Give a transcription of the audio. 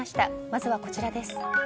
まずは、こちらです。